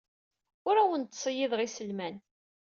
Ur awen-d-ttṣeyyideɣ iselman.